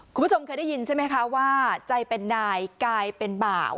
คุณผู้ชมเคยได้ยินใช่ไหมคะว่าใจเป็นนายกลายเป็นบ่าว